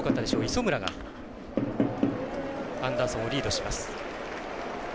磯村がアンダーソンをリードします。